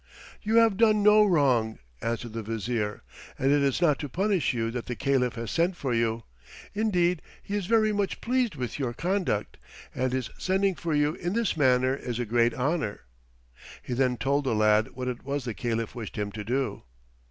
"You have done no wrong," answered the Vizier, "and it is not to punish you that the Caliph has sent for you. Indeed he is very much pleased with your conduct, and his sending for you in this manner is a great honor." He then told the lad what it was the Caliph wished him to do.